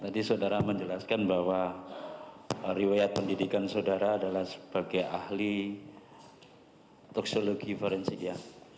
tadi saudara menjelaskan bahwa riwayat pendidikan saudara adalah sebagai ahli toksiologi forensik ya